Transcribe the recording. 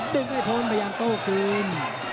ดึงให้ทนพยายามโตกลืม